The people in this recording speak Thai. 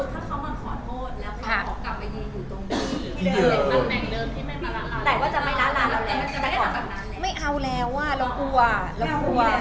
คุณสมมติถ้าเขามันขอโทษแล้ว